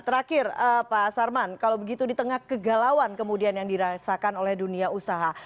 dan pak sarman kalau begitu di tengah kegalauan kemudian yang dirasakan oleh dunia usaha